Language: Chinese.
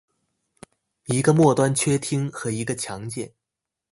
一个末端炔烃和一个强碱。